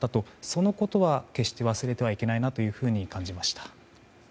そのことは決して忘れてはいけないと感じました。